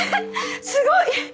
すごい！